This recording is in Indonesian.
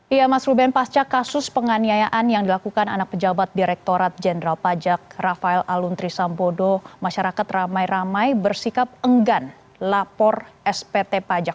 iya mas ruben pasca kasus penganiayaan yang dilakukan anak pejabat direktorat jenderal pajak rafael aluntri sambodo masyarakat ramai ramai bersikap enggan lapor spt pajak